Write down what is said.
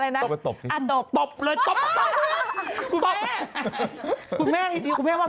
ขอให้เมพูดคำเดียวว่าต๖๘